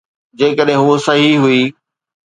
جيڪڏهن هوء صحيح هئي.